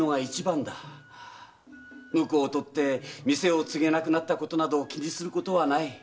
「婿をとって店を継げなくなったことなど気にすることはない」